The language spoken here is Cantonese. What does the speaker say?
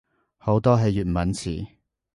好多係粵文詞